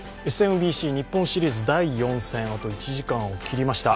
ＳＭＢＣ日本シリーズ第４戦、あと１時間を切りました。